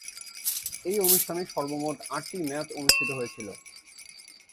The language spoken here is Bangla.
এই অনুষ্ঠানে সর্বমোট আটটি ম্যাচ অনুষ্ঠিত হয়েছিল।